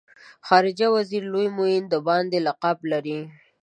خارجه وزیر لوی معین د باندې لقب لري.